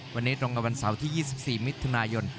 วันนี้ตรงกับวันเสาร์ที่๒๔มิถุนายน